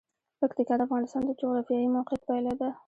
پکتیکا د افغانستان د جغرافیایي موقیعت پایله ده.